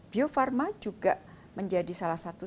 bio farma juga menjadi salah satu